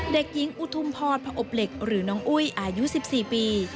เด็กหญิงอุทุมพรผอบเหล็กหรือน้องอุ้ยอายุ๑๔ปี